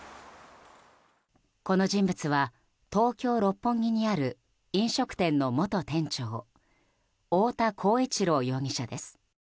この人物は東京・六本木にある飲食店の元店長太田浩一朗容疑者です。